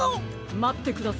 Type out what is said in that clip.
まってください。